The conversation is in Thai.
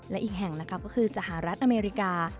และอีกแห่งนะคะก็คือสหรัฐอเมริกา